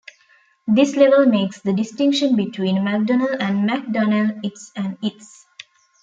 This level makes the distinction between "MacDonald" and "Mac Donald", "its" and "it's".